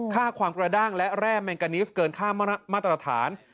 ค่าความกระด้างและแร่แมงกานิสเกินค่ามาตรฐาน